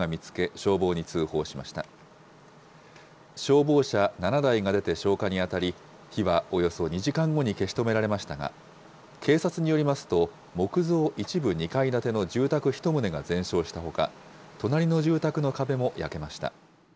消防車７台が出て消火に当たり、火はおよそ２時間後に消し止められましたが、警察によりますと、木造一部２階建ての住宅１棟が全焼したほか、隣の住宅の壁も焼けました。